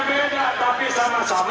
beda tapi sama sama